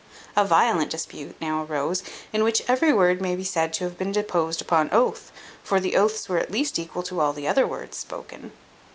A violent dispute now arose, in which every word may be said to have been deposed upon oath; for the oaths were at least equal to all the other words spoken.